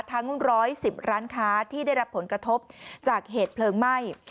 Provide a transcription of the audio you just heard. ทั้ง๑๑๐ร้านค้าที่ได้รับผลกระทบจากเหตุเพลิงไหม้